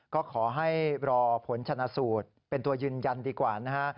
ก็ขอให้รอผลชนะสูตรเป็นตัวยืนยันดีกว่านะฮะ